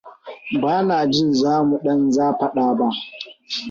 Ban jin za mu ɗan zafaɗa ba.